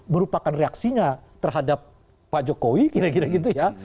merupakan reaksinya terhadap pak jokowi kira kira gitu ya